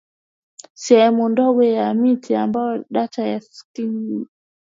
sehemu ndogo ya miti ambayo data ya skanning